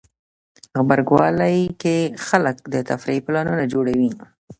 غبرګولی کې خلک د تفریح پلانونه جوړوي.